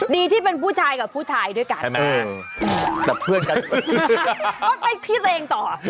ดีที่เป็นผู้ชายกับผู้ชายด้วยกัน